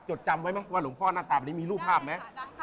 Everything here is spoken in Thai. จดจำไว้ไหมว่าหลวงพ่อน่าตาบนี้มีรูปภาพไหมได้ค่ะ